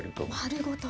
丸ごと。